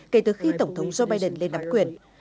kể từ khi tổng thống joe biden lên nắm quyền